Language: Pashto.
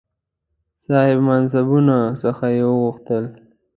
صاحب منصبانو څخه یې وغوښتل.